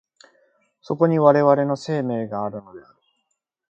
そこに我々の生命があるのである。